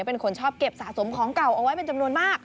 เป็นคนชอบเก็บสะสมของเก่าเอาไว้เป็นจำนวนมาก